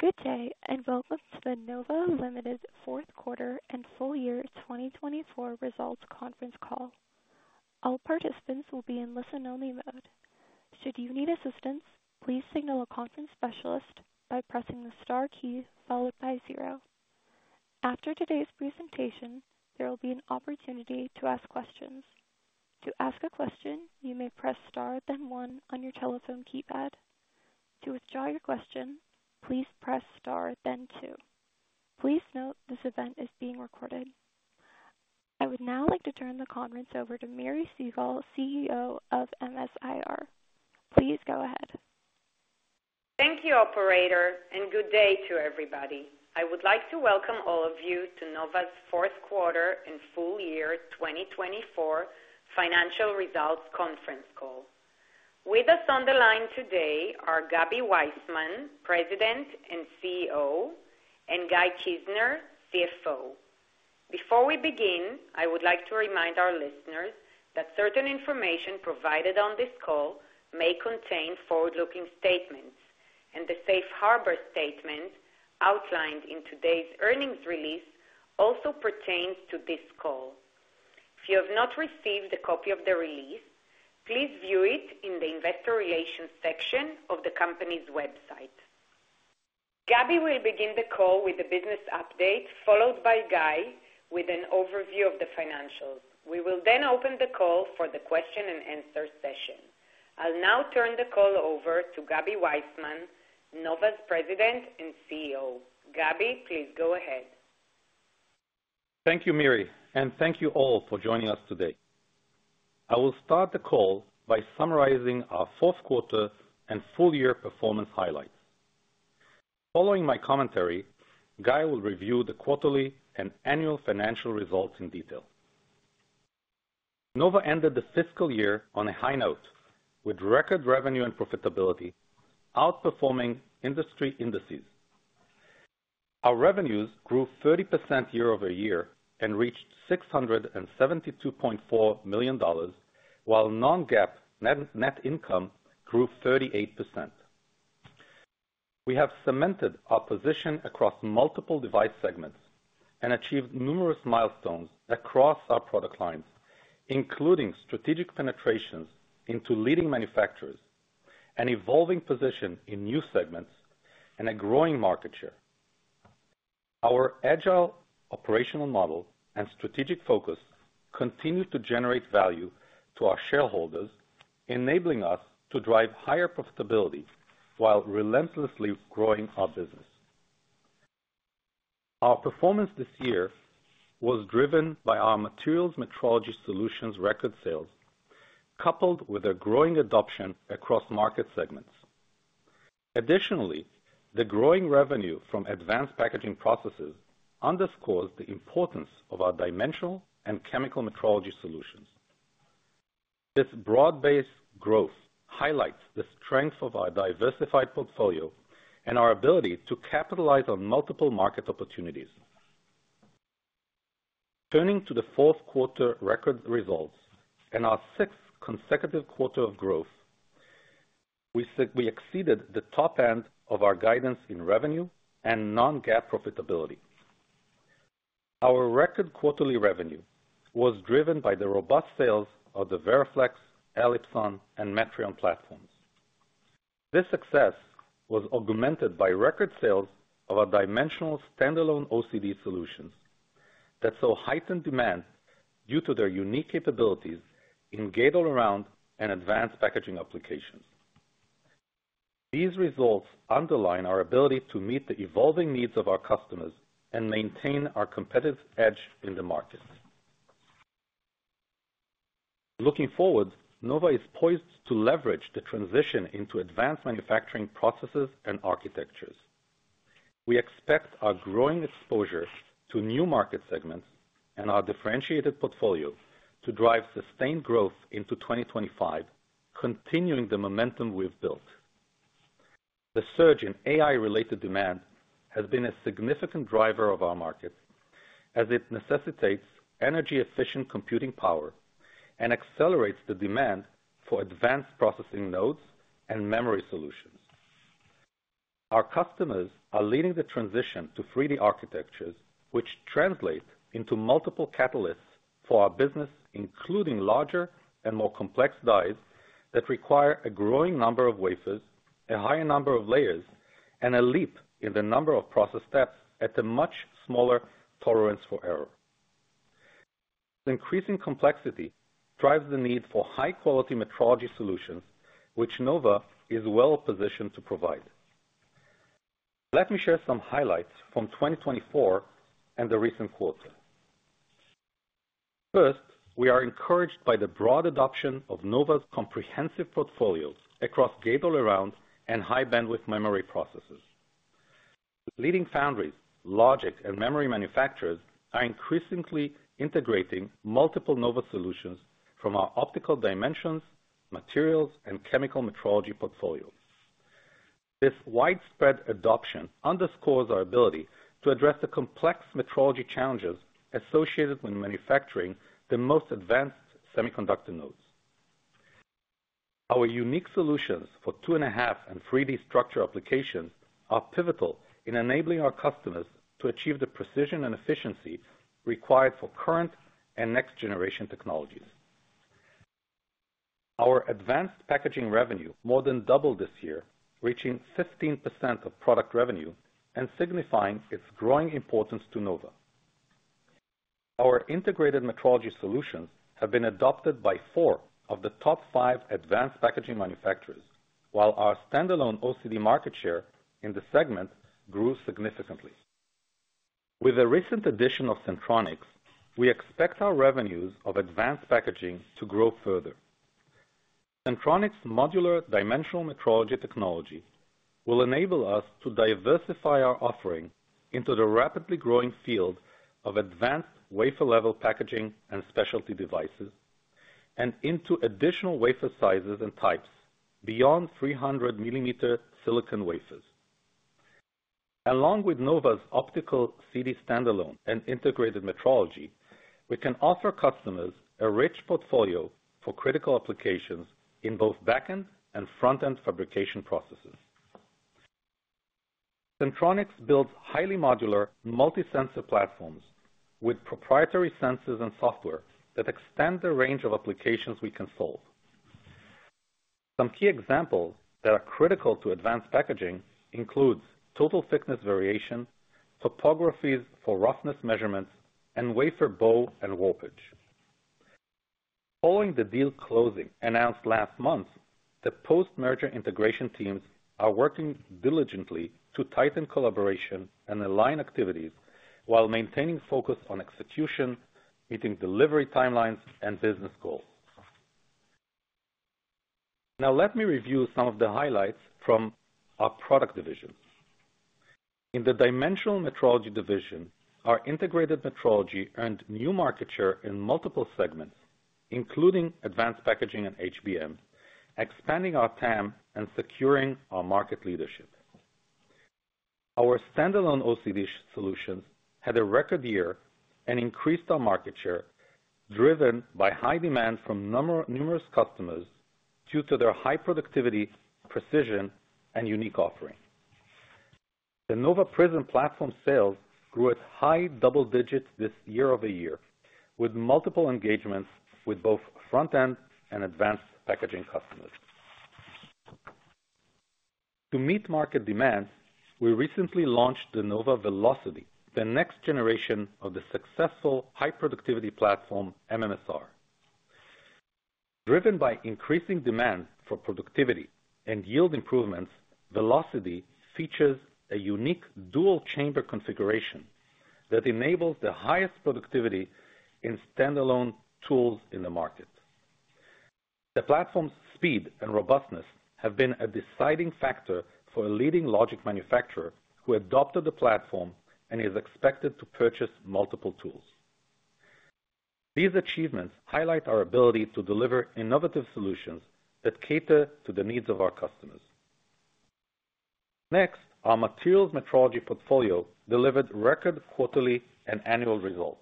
Good day, and welcome to the Nova Limited Fourth Quarter and Full Year 2024 Results Conference Call. All participants will be in listen-only mode. Should you need assistance, please signal a conference specialist by pressing the star key followed by zero. After today's presentation, there will be an opportunity to ask questions. To ask a question, you may press star then one on your telephone keypad. To withdraw your question, please press star then two. Please note this event is being recorded. I would now like to turn the conference over to Miri Segal, CEO of MS-IR. Please go ahead. Thank you, Operator, and good day to everybody. I would like to welcome all of you to Nova's Fourth Quarter and Full Year 2024 Financial Results Conference Call. With us on the line today are Gaby Waisman, President and CEO, and Guy Kisner, CFO. Before we begin, I would like to remind our listeners that certain information provided on this call may contain forward-looking statements, and the Safe Harbor Statement outlined in today's earnings release also pertains to this call. If you have not received a copy of the release, please view it in the Investor Relations section of the company's website. Gaby will begin the call with a business update, followed by Guy with an overview of the financials. We will then open the call for the question-and-answer session. I'll now turn the call over to Gaby Waisman, Nova's President and CEO. Gaby, please go ahead. Thank you, Miri, and thank you all for joining us today. I will start the call by summarizing our fourth quarter and full year performance highlights. Following my commentary, Guy will review the quarterly and annual financial results in detail. Nova ended the fiscal year on a high note with record revenue and profitability, outperforming industry indices. Our revenues grew 30% year over year and reached $672.4 million, while non-GAAP net income grew 38%. We have cemented our position across multiple device segments and achieved numerous milestones across our product lines, including strategic penetrations into leading manufacturers, an evolving position in new segments, and a growing market share. Our agile operational model and strategic focus continue to generate value to our shareholders, enabling us to drive higher profitability while relentlessly growing our business. Our performance this year was driven by our materials metrology solutions' record sales, coupled with a growing adoption across market segments. Additionally, the growing revenue from advanced packaging processes underscores the importance of our dimensional and chemical metrology solutions. This broad-based growth highlights the strength of our diversified portfolio and our ability to capitalize on multiple market opportunities. Turning to the fourth quarter record results and our sixth consecutive quarter of growth, we exceeded the top end of our guidance in revenue and non-GAAP profitability. Our record quarterly revenue was driven by the robust sales of the Veriflex, ancolyzer, and Metrion platforms. This success was augmented by record sales of our dimensional standalone OCD solutions that saw heightened demand due to their unique capabilities in gate-all-around and advanced packaging applications. These results underline our ability to meet the evolving needs of our customers and maintain our competitive edge in the markets. Looking forward, Nova is poised to leverage the transition into advanced manufacturing processes and architectures. We expect our growing exposure to new market segments and our differentiated portfolio to drive sustained growth into 2025, continuing the momentum we've built. The surge in AI-related demand has been a significant driver of our market, as it necessitates energy-efficient computing power and accelerates the demand for advanced processing nodes and memory solutions. Our customers are leading the transition to 3D architectures, which translate into multiple catalysts for our business, including larger and more complex dies that require a growing number of wafers, a higher number of layers, and a leap in the number of process steps at a much smaller tolerance for error. Increasing complexity drives the need for high-quality metrology solutions, which Nova is well positioned to provide. Let me share some highlights from 2024 and the recent quarter. First, we are encouraged by the broad adoption of Nova's comprehensive portfolios across Gate-All-Around and high-bandwidth memory processes. Leading foundries, logic, and memory manufacturers are increasingly integrating multiple Nova solutions from our optical dimensional, materials, and chemical metrology portfolios. This widespread adoption underscores our ability to address the complex metrology challenges associated with manufacturing the most advanced semiconductor nodes. Our unique solutions for two-and-a-half and 3D structure applications are pivotal in enabling our customers to achieve the precision and efficiency required for current and next-generation technologies. Our advanced packaging revenue more than doubled this year, reaching 15% of product revenue and signifying its growing importance to Nova. Our integrated metrology solutions have been adopted by four of the top five advanced packaging manufacturers, while our standalone OCD market share in the segment grew significantly. With the recent addition of Sentronics, we expect our revenues of advanced packaging to grow further. Sentronics's modular dimensional metrology technology will enable us to diversify our offering into the rapidly growing field of advanced wafer-level packaging and specialty devices, and into additional wafer sizes and types beyond 300-millimeter silicon wafers. Along with Nova's optical CD standalone and integrated metrology, we can offer customers a rich portfolio for critical applications in both back-end and front-end fabrication processes. Sentronics builds highly modular multi-sensor platforms with proprietary sensors and software that extend the range of applications we can solve. Some key examples that are critical to advanced packaging include total thickness variation, topographies for roughness measurements, and wafer bow and warpage. Following the deal closing announced last month, the post-merger integration teams are working diligently to tighten collaboration and align activities while maintaining focus on execution, meeting delivery timelines, and business goals. Now, let me review some of the highlights from our product divisions. In the dimensional metrology division, our integrated metrology earned new market share in multiple segments, including advanced packaging and HBM, expanding our TAM and securing our market leadership. Our standalone OCD solutions had a record year and increased our market share, driven by high demand from numerous customers due to their high productivity, precision, and unique offering. The Nova Prism platform sales grew at high double digits this year over year, with multiple engagements with both front-end and advanced packaging customers. To meet market demand, we recently launched the Nova Velocity, the next generation of the successful high-productivity platform Nova MARS. Driven by increasing demand for productivity and yield improvements, Velocity features a unique dual-chamber configuration that enables the highest productivity in standalone tools in the market. The platform's speed and robustness have been a deciding factor for a leading logic manufacturer who adopted the platform and is expected to purchase multiple tools. These achievements highlight our ability to deliver innovative solutions that cater to the needs of our customers. Next, our materials metrology portfolio delivered record quarterly and annual results.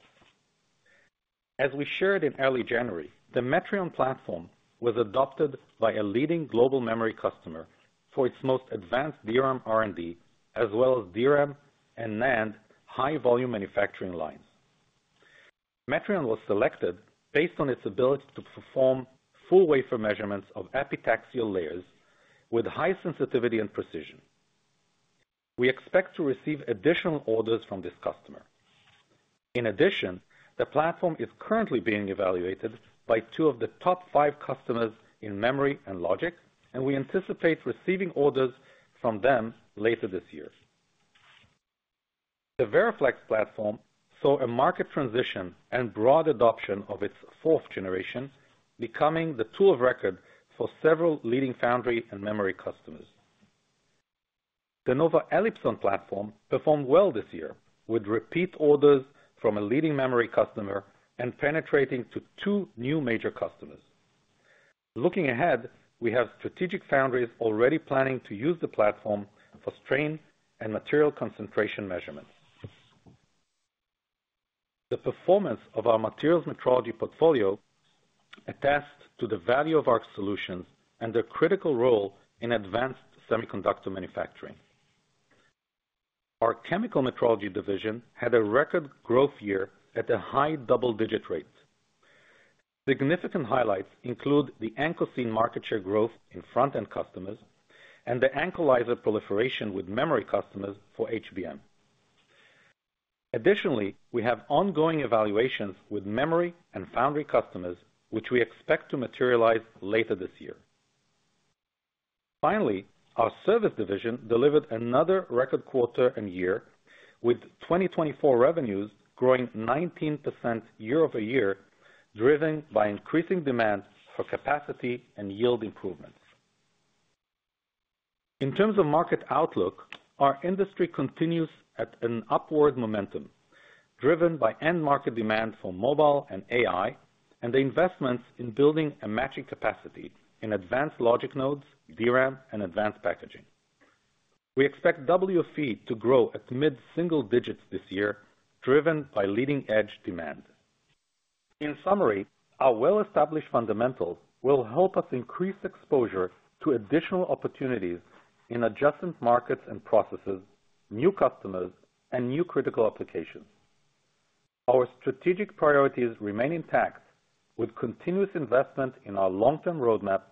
As we shared in early January, the Metrion platform was adopted by a leading global memory customer for its most advanced DRAM R&D, as well as DRAM and NAND high-volume manufacturing lines. Metrion was selected based on its ability to perform full wafer measurements of epitaxial layers with high sensitivity and precision. We expect to receive additional orders from this customer. In addition, the platform is currently being evaluated by two of the top five customers in memory and logic, and we anticipate receiving orders from them later this year. The VERIFLEX platform saw a market transition and broad adoption of its fourth generation, becoming the tool of record for several leading foundry and memory customers. The Nova ELIXIR platform performed well this year, with repeat orders from a leading memory customer and penetrating to two new major customers. Looking ahead, we have strategic foundries already planning to use the platform for strain and material concentration measurements. The performance of our materials metrology portfolio attests to the value of our solutions and their critical role in advanced semiconductor manufacturing. Our chemical metrology division had a record growth year at a high double-digit rate. Significant highlights include the Ancolyzer market share growth in front-end customers and the ELIXIR proliferation with memory customers for HBM. Additionally, we have ongoing evaluations with memory and foundry customers, which we expect to materialize later this year. Finally, our service division delivered another record quarter and year, with 2024 revenues growing 19% year over year, driven by increasing demand for capacity and yield improvements. In terms of market outlook, our industry continues at an upward momentum, driven by end-market demand for mobile and AI, and the investments in building a matching capacity in advanced logic nodes, DRAM, and advanced packaging. We expect WFE to grow at mid-single digits this year, driven by leading-edge demand. In summary, our well-established fundamentals will help us increase exposure to additional opportunities in adjacent markets and processes, new customers, and new critical applications. Our strategic priorities remain intact with continuous investment in our long-term roadmap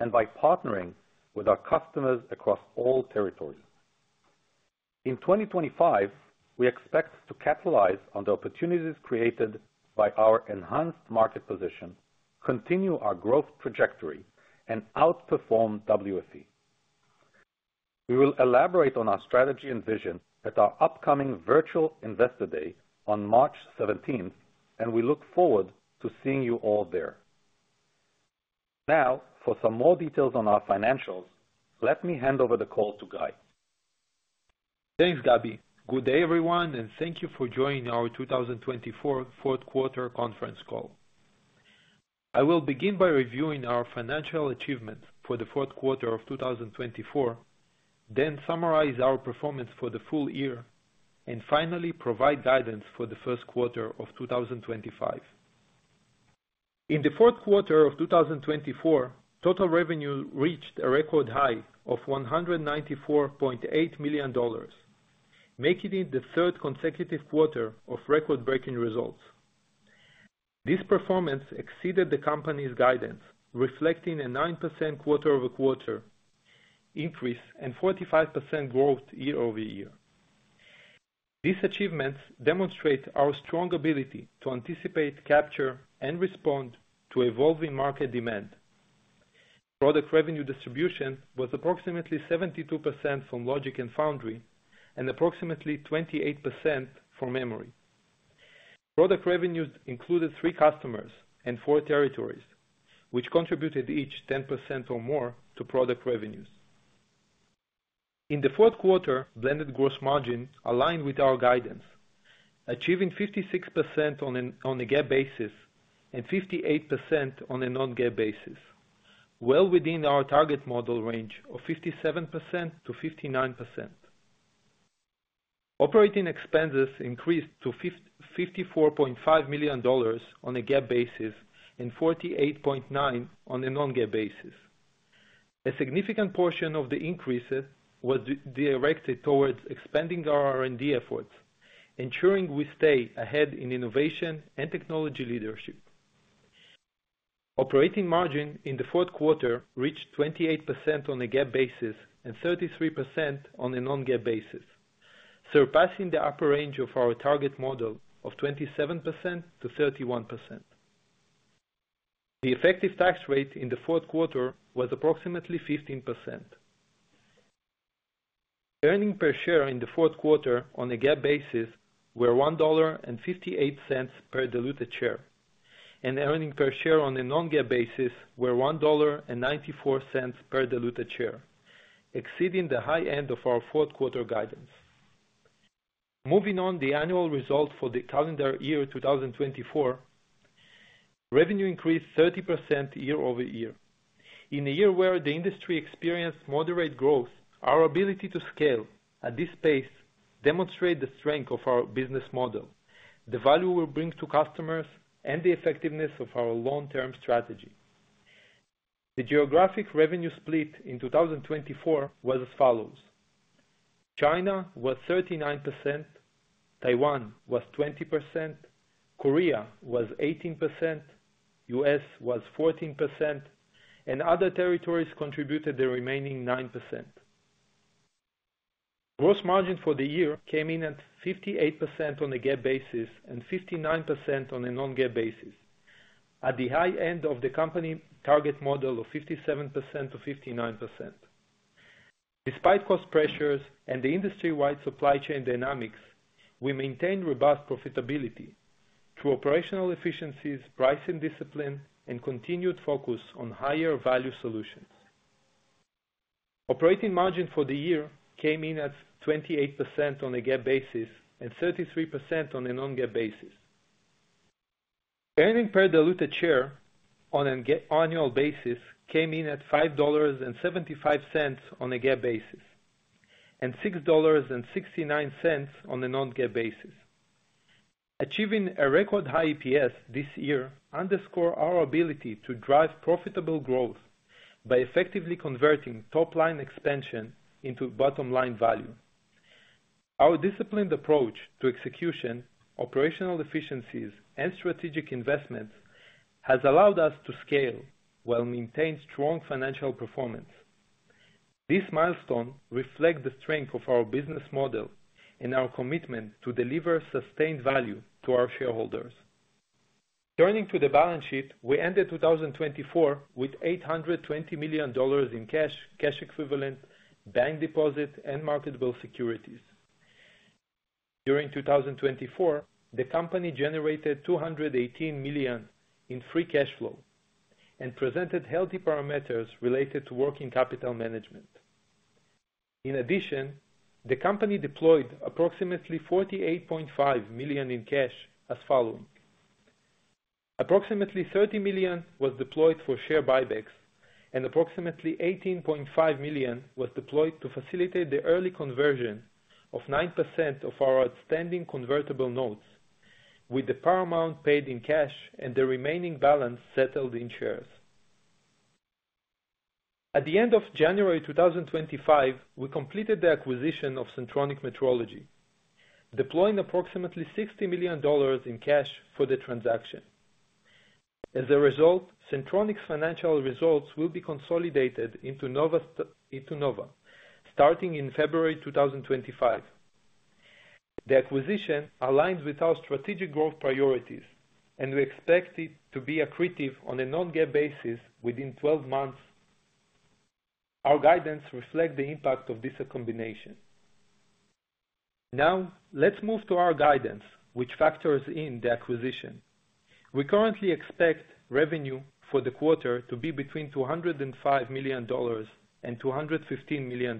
and by partnering with our customers across all territories. In 2025, we expect to capitalize on the opportunities created by our enhanced market position, continue our growth trajectory, and outperform WFE. We will elaborate on our strategy and vision at our upcoming virtual investor day on March 17th, and we look forward to seeing you all there. Now, for some more details on our financials, let me hand over the call to Guy. Thanks, Gabi. Good day, everyone, and thank you for joining our 2024 fourth quarter conference call. I will begin by reviewing our financial achievements for the fourth quarter of 2024, then summarize our performance for the full year, and finally, provide guidance for the first quarter of 2025. In the fourth quarter of 2024, total revenue reached a record high of $194.8 million, making it the third consecutive quarter of record-breaking results. This performance exceeded the company's guidance, reflecting a 9% quarter-over-quarter increase and 45% growth year over year. These achievements demonstrate our strong ability to anticipate, capture, and respond to evolving market demand. Product revenue distribution was approximately 72% from logic and foundry and approximately 28% from memory. Product revenues included three customers and four territories, which contributed each 10% or more to product revenues. In the fourth quarter, blended gross margin aligned with our guidance, achieving 56% on a GAAP basis and 58% on a non-GAAP basis, well within our target model range of 57%-59%. Operating expenses increased to $54.5 million on a GAAP basis and $48.9 on a non-GAAP basis. A significant portion of the increases was directed towards expanding our R&D efforts, ensuring we stay ahead in innovation and technology leadership. Operating margin in the fourth quarter reached 28% on a GAAP basis and 33% on a non-GAAP basis, surpassing the upper range of our target model of 27%-31%. The effective tax rate in the fourth quarter was approximately 15%. Earnings per share in the fourth quarter on a GAAP basis was $1.58 per diluted share, and earnings per share on a non-GAAP basis was $1.94 per diluted share, exceeding the high end of our fourth quarter guidance. Moving on, the annual result for the calendar year 2024 revenue increased 30% year over year. In a year where the industry experienced moderate growth, our ability to scale at this pace demonstrated the strength of our business model, the value we bring to customers, and the effectiveness of our long-term strategy. The geographic revenue split in 2024 was as follows: China was 39%, Taiwan was 20%, Korea was 18%, US was 14%, and other territories contributed the remaining 9%. Gross margin for the year came in at 58% on a GAAP basis and 59% on a non-GAAP basis, at the high end of the company target model of 57%-59%. Despite cost pressures and the industry-wide supply chain dynamics, we maintained robust profitability through operational efficiencies, pricing discipline, and continued focus on higher-value solutions. Operating margin for the year came in at 28% on a GAAP basis and 33% on a non-GAAP basis. Earnings per diluted share on an annual basis came in at $5.75 on a GAAP basis and $6.69 on a non-GAAP basis. Achieving a record high EPS this year underscored our ability to drive profitable growth by effectively converting top-line expansion into bottom-line value. Our disciplined approach to execution, operational efficiencies, and strategic investments has allowed us to scale while maintaining strong financial performance. This milestone reflects the strength of our business model and our commitment to deliver sustained value to our shareholders. Turning to the balance sheet, we ended 2024 with $820 million in cash, cash equivalents, bank deposits, and marketable securities. During 2024, the company generated $218 million in free cash flow and presented healthy parameters related to working capital management. In addition, the company deployed approximately $48.5 million in cash as follows. Approximately $30 million was deployed for share buybacks, and approximately $18.5 million was deployed to facilitate the early conversion of 9% of our outstanding convertible notes, with the principal paid in cash and the remaining balance settled in shares. At the end of January 2025, we completed the acquisition of Sentronics Metrology, deploying approximately $60 million in cash for the transaction. As a result, Sentronics Metrology's financial results will be consolidated into Nova, starting in February 2025. The acquisition aligned with our strategic growth priorities, and we expect it to be accretive on a non-GAAP basis within 12 months. Our guidance reflects the impact of this combination. Now, let's move to our guidance, which factors in the acquisition. We currently expect revenue for the quarter to be between $205 million and $215 million.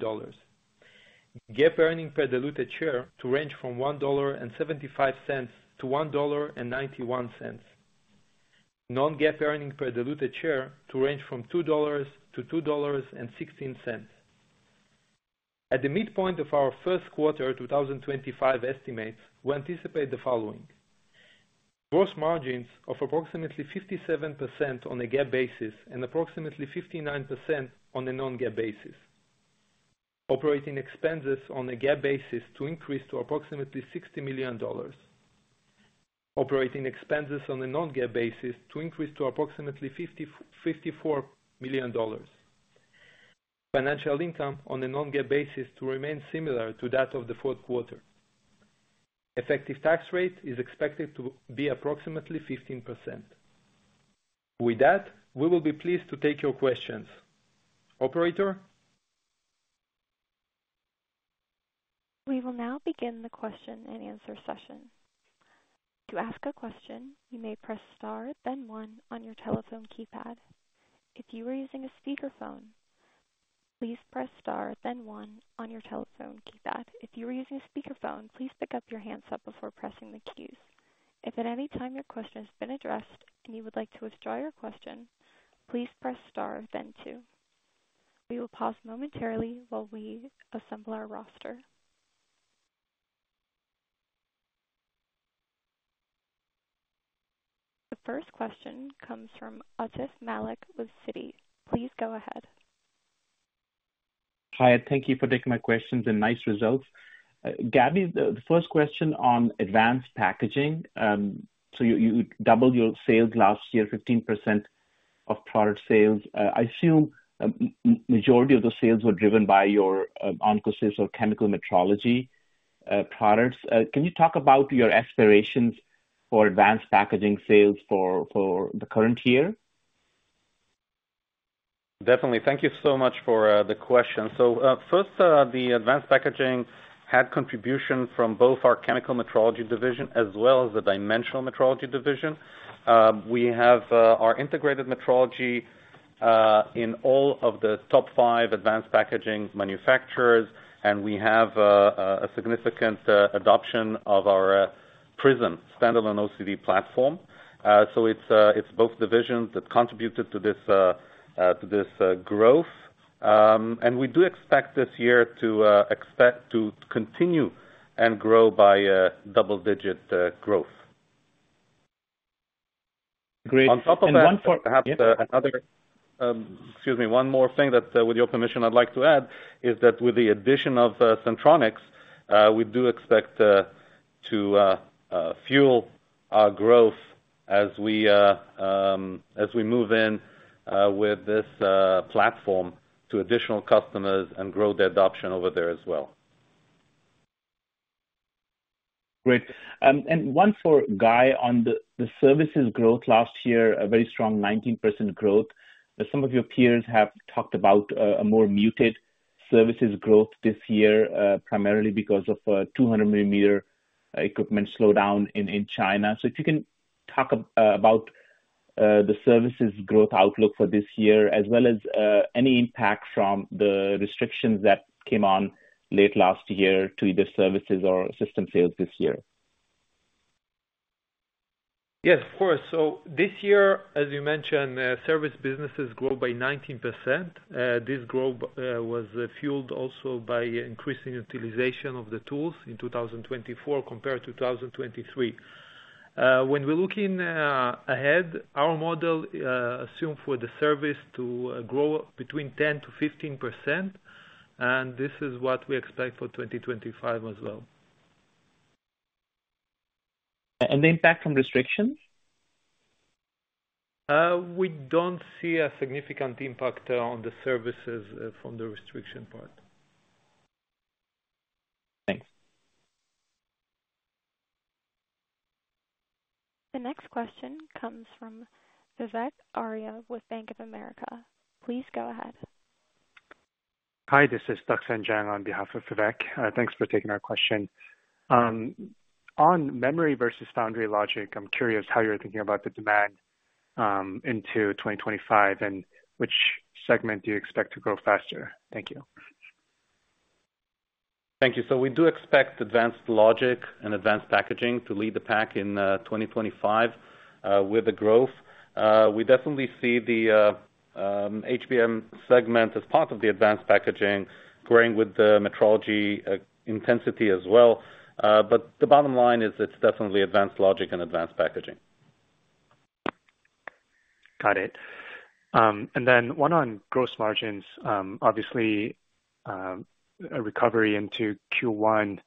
GAAP earnings per diluted share to range from $1.75 to $1.91. Non-GAAP earnings per diluted share to range from $2-$2.16. At the midpoint of our first quarter 2025 estimates, we anticipate the following: gross margins of approximately 57% on a GAAP basis and approximately 59% on a non-GAAP basis. Operating expenses on a GAAP basis to increase to approximately $60 million. Operating expenses on a non-GAAP basis to increase to approximately $54 million. Financial income on a non-GAAP basis to remain similar to that of the fourth quarter. Effective tax rate is expected to be approximately 15%. With that, we will be pleased to take your questions. Operator? We will now begin the question and answer session. To ask a question, you may press Star, then 1 on your telephone keypad. If you are using a speakerphone, please press Star, then 1 on your telephone keypad. If you are using a speakerphone, please pick up the handset before pressing the keys. If at any time your question has been addressed and you would like to withdraw your question, please press Star, then 2. We will pause momentarily while we assemble our roster. The first question comes from Atif Malik with Citi. Please go ahead. Hi, thank you for taking my questions and nice results. Gaby, the first question on advanced packaging. So you doubled your sales last year, 15% of product sales. I assume the majority of those sales were driven by your ancolyzer or chemical metrology products. Can you talk about your aspirations for advanced packaging sales for the current year? Definitely. Thank you so much for the question. So first, the advanced packaging had contributions from both our chemical metrology division as well as the dimensional metrology division. We have our integrated metrology in all of the top five advanced packaging manufacturers, and we have a significant adoption of our Prism standalone OCD platform. So it's both divisions that contributed to this growth. And we do expect this year to continue and grow by double-digit growth. Great. And one more thing that, with your permission, I'd like to add is that with the addition of Sentronics, we do expect to fuel our growth as we move in with this platform to additional customers and grow the adoption over there as well. Great. And one for Guy on the services growth last year, a very strong 19% growth. Some of your peers have talked about a more muted services growth this year, primarily because of 200-millimeter equipment slowdown in China. So if you can talk about the services growth outlook for this year, as well as any impact from the restrictions that came on late last year to either services or system sales this year? Yes, of course. So this year, as you mentioned, service businesses grew by 19%. This growth was fueled also by increasing utilization of the tools in 2024 compared to 2023. When we're looking ahead, our model assumed for the service to grow between 10%-15%, and this is what we expect for 2025 as well. And the impact from restrictions? We don't see a significant impact on the services from the restriction part. Thanks. The next question comes from Vivek Arya with Bank of America. Please go ahead. Hi, this is Duksan Jang on behalf of Vivek. Thanks for taking our question. On memory versus foundry logic, I'm curious how you're thinking about the demand into 2025 and which segment do you expect to grow faster? Thank you. Thank you. So we do expect advanced logic and advanced packaging to lead the pack in 2025 with the growth. We definitely see the HBM segment as part of the advanced packaging growing with the metrology intensity as well. But the bottom line is it's definitely advanced logic and advanced packaging. Got it. And then one on gross margins, obviously a recovery into Q1,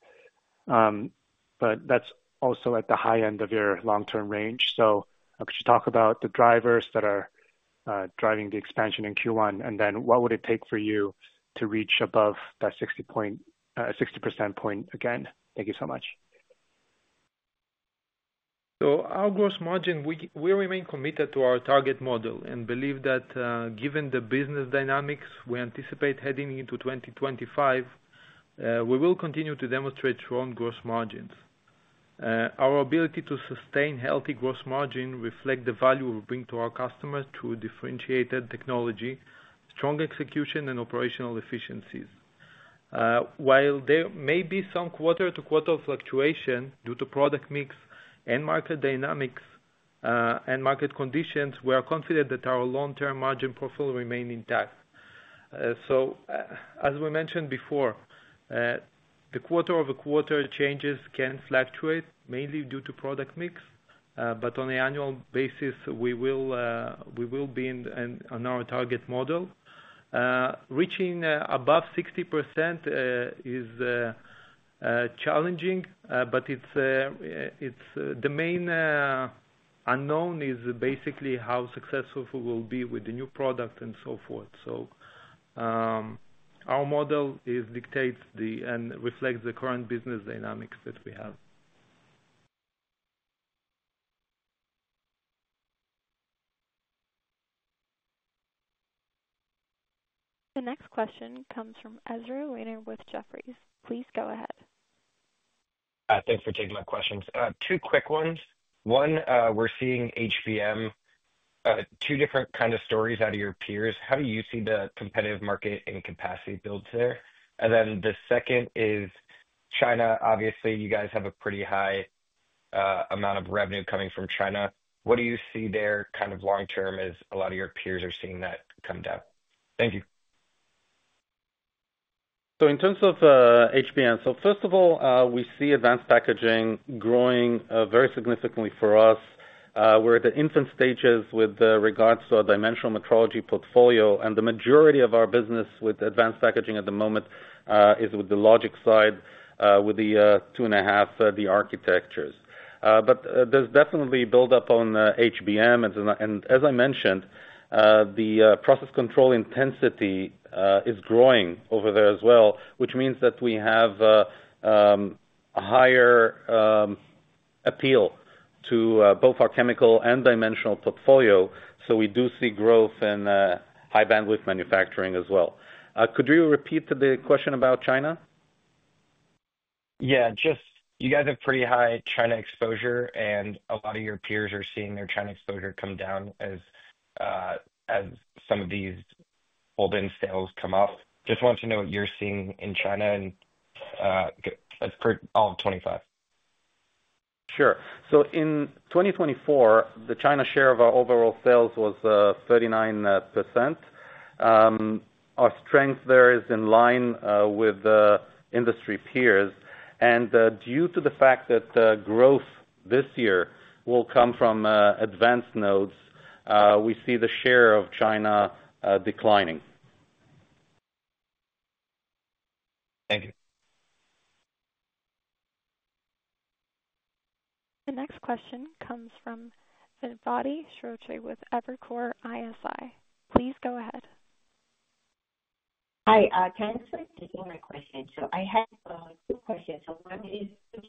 but that's also at the high end of your long-term range. So could you talk about the drivers that are driving the expansion in Q1, and then what would it take for you to reach above that 60% point again? Thank you so much. So our gross margin, we remain committed to our target model and believe that given the business dynamics we anticipate heading into 2025, we will continue to demonstrate strong gross margins. Our ability to sustain healthy gross margin reflects the value we bring to our customers through differentiated technology, strong execution, and operational efficiencies. While there may be some quarter-to-quarter fluctuation due to product mix and market dynamics and market conditions, we are confident that our long-term margin profile remains intact. So as we mentioned before, the quarter-over-quarter changes can fluctuate mainly due to product mix, but on an annual basis, we will be on our target model. Reaching above 60% is challenging, but the main unknown is basically how successful we will be with the new product and so forth. So our model dictates and reflects the current business dynamics that we have. The next question comes from Ezra Weener with Jefferies. Please go ahead. Thanks for taking my questions. Two quick ones. One, we're seeing HBM two different kinds of stories out of your peers. How do you see the competitive market and capacity builds there? And then the second is China. Obviously, you guys have a pretty high amount of revenue coming from China. What do you see there kind of long-term as a lot of your peers are seeing that come down? Thank you. So in terms of HBM, so first of all, we see advanced packaging growing very significantly for us. We're at the infant stages with regards to our dimensional metrology portfolio, and the majority of our business with advanced packaging at the moment is with the logic side with the two and a half, the architectures. But there's definitely build-up on HBM. As I mentioned, the process control intensity is growing over there as well, which means that we have a higher appeal to both our chemical and dimensional portfolio. So we do see growth in high-bandwidth manufacturing as well. Could you repeat the question about China? Yeah. Just you guys have pretty high China exposure, and a lot of your peers are seeing their China exposure come down as some of these hold-in sales come up. Just want to know what you're seeing in China and that's for all of 2025. Sure. So in 2024, the China share of our overall sales was 39%. Our strength there is in line with industry peers. And due to the fact that growth this year will come from advanced nodes, we see the share of China declining. Thank you. The next question comes from Vedvati Shrotre with Evercore ISI. Please go ahead. Hi. Can I start taking my questions? I have two questions. One is just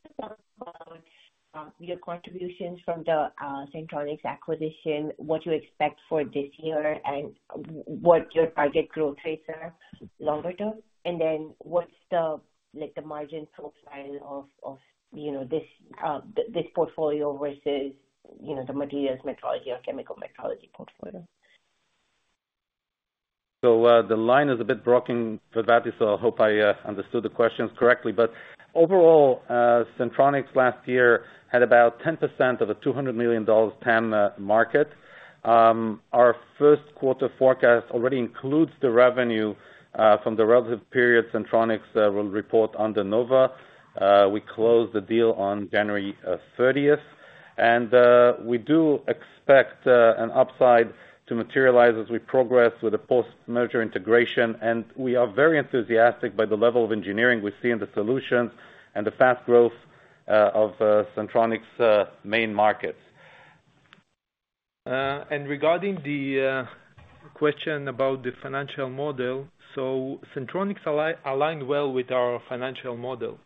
about your contributions from the Sentronics acquisition, what you expect for this year, and what your target growth rates are longer term. Then what's the margin profile of this portfolio versus the materials metrology or chemical metrology portfolio? The line is a bit broken for that, so I hope I understood the questions correctly. Overall, Sentronics last year had about 10% of a $200 million TAM market. Our first quarter forecast already includes the revenue from the relevant period Sentronics will report under Nova. We closed the deal on January 30th. We do expect an upside to materialize as we progress with the post-merger integration. We are very enthusiastic by the level of engineering we see in the solutions and the fast growth of Sentronics' main markets. Regarding the question about the financial model, so Sentronics aligned well with our financial model,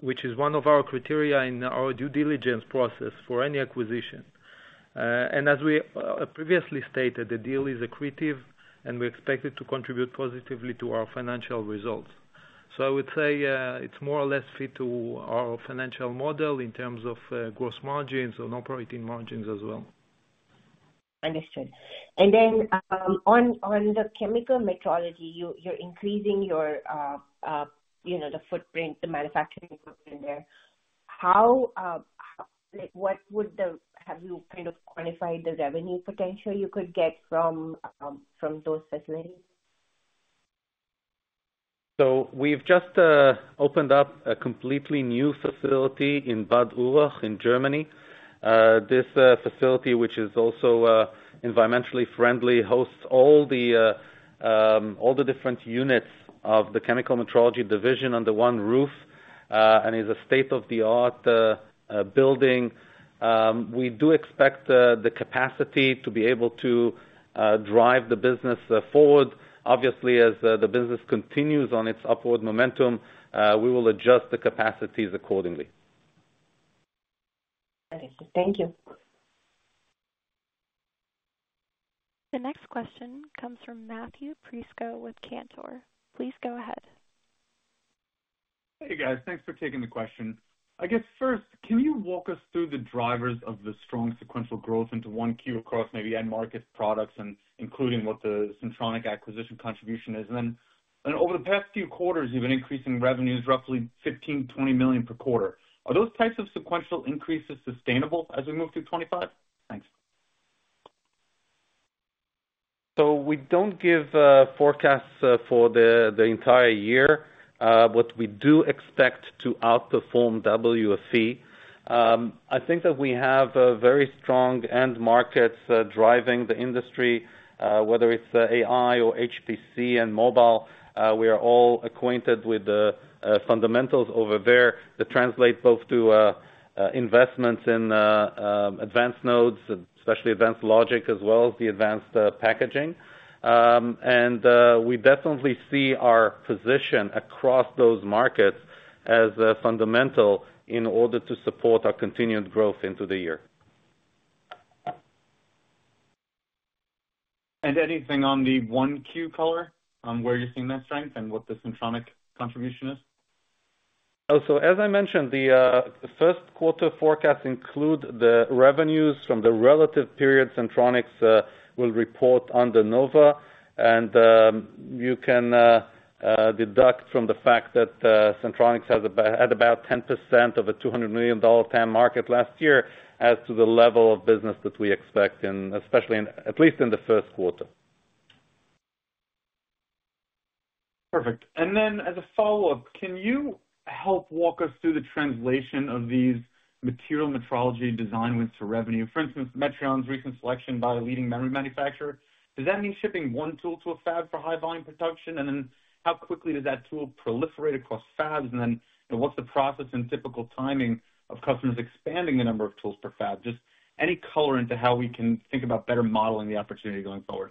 which is one of our criteria in our due diligence process for any acquisition. As we previously stated, the deal is accretive, and we expect it to contribute positively to our financial results. I would say it's more or less fit to our financial model in terms of gross margins and operating margins as well. Understood. On the chemical metrology, you're increasing the footprint, the manufacturing footprint there. What would have you kind of quantified the revenue potential you could get from those facilities? We've just opened up a completely new facility in Bad Urach in Germany. This facility, which is also environmentally friendly, hosts all the different units of the chemical metrology division under one roof and is a state-of-the-art building. We do expect the capacity to be able to drive the business forward. Obviously, as the business continues on its upward momentum, we will adjust the capacities accordingly. Thank you. The next question comes from Matt Prisco with Cantor. Please go ahead. Hey, guys. Thanks for taking the question. I guess first, can you walk us through the drivers of the strong sequential growth into Q1 across maybe end market products, including what the Sentronics acquisition contribution is? And then over the past few quarters, you've been increasing revenues roughly $15-20 million per quarter. Are those types of sequential increases sustainable as we move through '25? Thanks. So we don't give forecasts for the entire year, but we do expect to outperform WFE. I think that we have very strong end markets driving the industry, whether it's AI or HPC and mobile. We are all acquainted with the fundamentals over there that translate both to investments in advanced nodes, especially advanced logic, as well as the advanced packaging. And we definitely see our position across those markets as fundamental in order to support our continued growth into the year. And anything on the Q1 color on where you're seeing that strength and what the Sentronics contribution is? So as I mentioned, the first quarter forecasts include the revenues from the relevant period Sentronics will report under Nova. And you can deduce from the fact that Sentronics had about 10% of a $200 million TAM market last year as to the level of business that we expect, especially at least in the first quarter. Perfect. And then as a follow-up, can you help walk us through the translation of these materials metrology design wins to revenue? For instance, Metrion's recent selection by a leading memory manufacturer. Does that mean shipping one tool to a fab for high-volume production? And then how quickly does that tool proliferate across fabs? And then what's the process and typical timing of customers expanding the number of tools per fab? Just any color into how we can think about better modeling the opportunity going forward?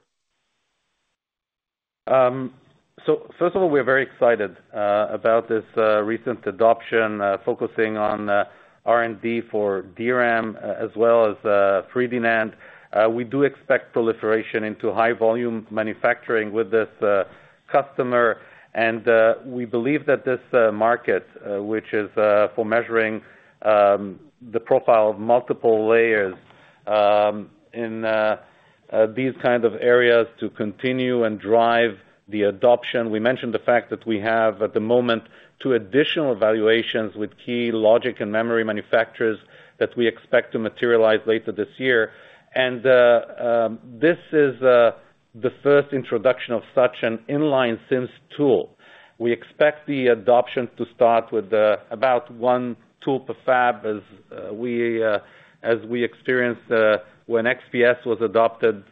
First of all, we are very excited about this recent adoption, focusing on R&D for DRAM as well as 3D NAND. We do expect proliferation into high-volume manufacturing with this customer. And we believe that this market, which is for measuring the profile of multiple layers in these kinds of areas, to continue and drive the adoption. We mentioned the fact that we have at the moment two additional evaluations with key logic and memory manufacturers that we expect to materialize later this year. And this is the first introduction of such an inline SIMS tool. We expect the adoption to start with about one tool per fab as we experienced when XPS was adopted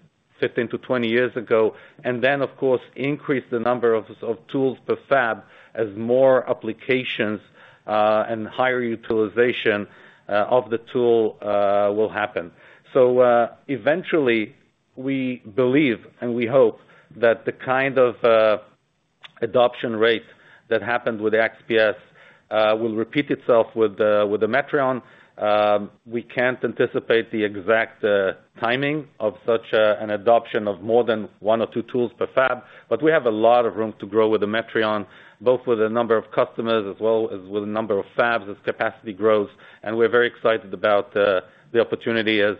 15-20 years ago. And then, of course, increase the number of tools per fab as more applications and higher utilization of the tool will happen. So eventually, we believe and we hope that the kind of adoption rate that happened with the XPS will repeat itself with the Metrion. We can't anticipate the exact timing of such an adoption of more than one or two tools per fab, but we have a lot of room to grow with the Metrion, both with the number of customers as well as with the number of fabs as capacity grows. And we're very excited about the opportunity as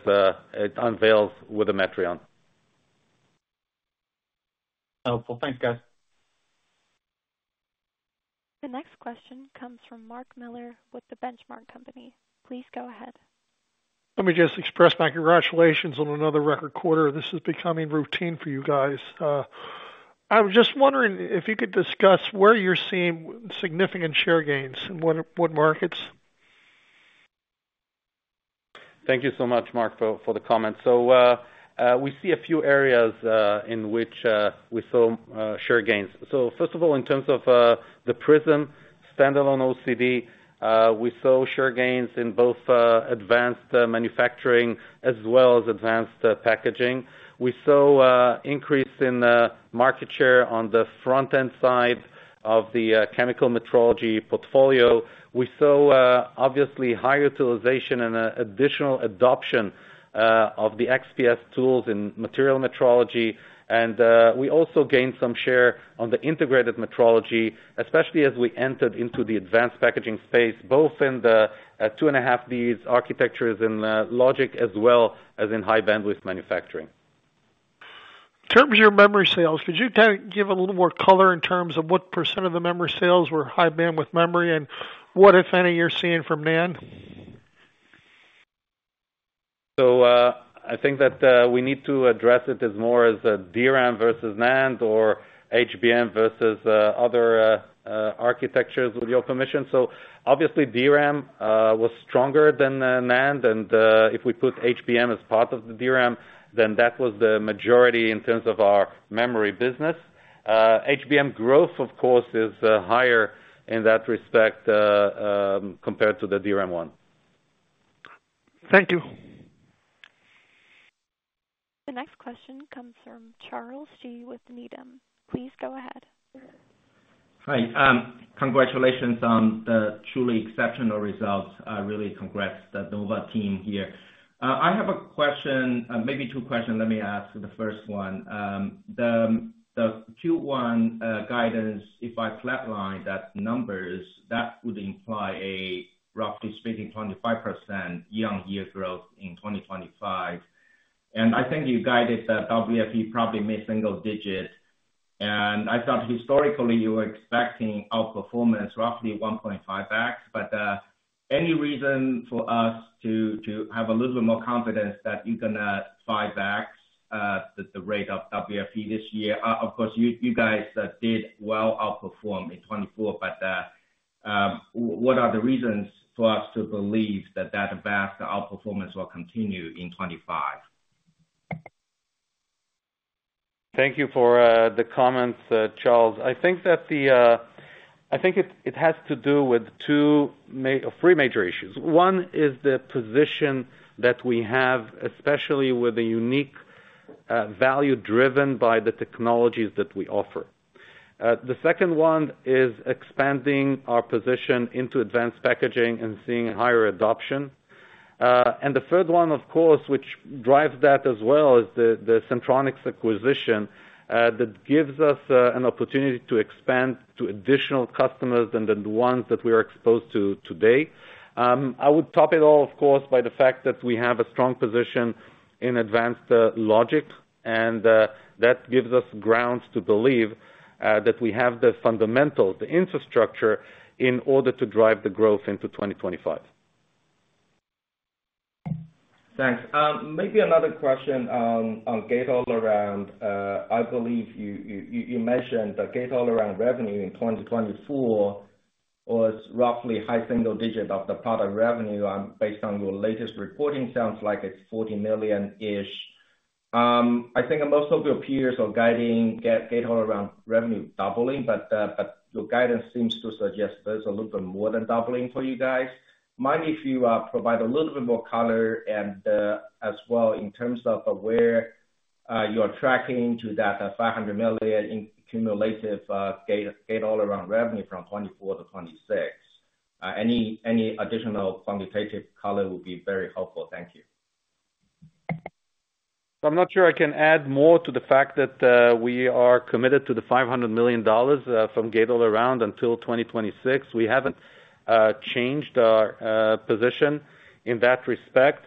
it unveils with the Metrion. Helpful. Thanks, guys. The next question comes from Mark Miller with the Benchmark Company. Please go ahead. Let me just express my congratulations on another record quarter. This is becoming routine for you guys. I was just wondering if you could discuss where you're seeing significant share gains and what markets? Thank you so much, Mark, for the comment. So we see a few areas in which we saw share gains. So first of all, in terms of the Prism standalone OCD, we saw share gains in both advanced manufacturing as well as advanced packaging. We saw an increase in market share on the front-end side of the chemical metrology portfolio. We saw, obviously, high utilization and additional adoption of the XPS tools in material metrology. And we also gained some share on the integrated metrology, especially as we entered into the advanced packaging space, both in the 2.5D architectures and logic as well as in high-bandwidth memory. In terms of your memory sales, could you give a little more color in terms of what % of the memory sales were high-bandwidth memory and what, if any, you're seeing from NAND? So I think that we need to address it as more as DRAM versus NAND or HBM versus other architectures, with your permission. So obviously, DRAM was stronger than NAND. And if we put HBM as part of the DRAM, then that was the majority in terms of our memory business. HBM growth, of course, is higher in that respect compared to the DRAM one. Thank you. The next question comes from Charles Shi with Needham. Please go ahead. Hi. Congratulations on the truly exceptional results. I really congratulate the Nova team here. I have a question, maybe two questions. Let me ask the first one. The Q1 guidance, if I flatline those numbers, that would imply a roughly 25% year-over-year growth in 2025. And I think you guided the WFE probably mid-single-digit. And I thought historically you were expecting outperformance, roughly 1.5X, but any reason for us to have a little bit more confidence that you're going to 5X the rate of WFE this year? Of course, you guys did well outperform in 2024, but what are the reasons for us to believe that that outperformance will continue in 2025? Thank you for the comments, Charles. I think it has to do with three major issues. One is the position that we have, especially with the unique value driven by the technologies that we offer. The second one is expanding our position into advanced packaging and seeing higher adoption. And the third one, of course, which drives that as well, is the Sentronics acquisition that gives us an opportunity to expand to additional customers than the ones that we are exposed to today. I would top it all, of course, by the fact that we have a strong position in advanced logic, and that gives us grounds to believe that we have the fundamentals, the infrastructure in order to drive the growth into 2025. Thanks. Maybe another question on Gate-All-Around. I believe you mentioned that Gate-All-Around revenue in 2024 was roughly high single digit of the product revenue. Based on your latest reporting, it sounds like it's $40 million-ish. I think most of your peers are guiding Gate All Around revenue doubling, but your guidance seems to suggest there's a little bit more than doubling for you guys. Mind if you provide a little bit more color as well in terms of where you are tracking to that 500 million cumulative Gate All Around revenue from 2024 to 2026? Any additional quantitative color would be very helpful. Thank you. I'm not sure I can add more to the fact that we are committed to the $500 million from Gate All Around until 2026. We haven't changed our position in that respect.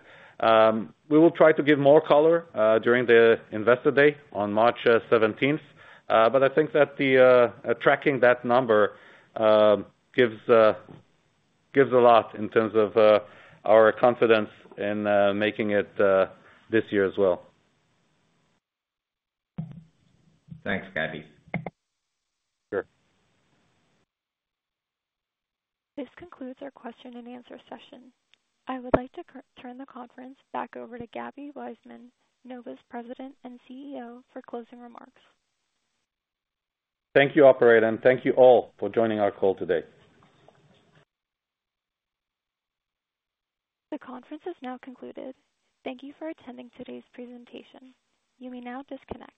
We will try to give more color during the Investor Day on March 17th. But I think that tracking that number gives a lot in terms of our confidence in making it this year as well. Thanks, Gaby. Sure. This concludes our question and answer session. I would like to turn the conference back over to Gaby Waisman, Nova's President and CEO, for closing remarks. Thank you, Operator, and thank you all for joining our call today. The conference is now concluded. Thank you for attending today's presentation. You may now disconnect.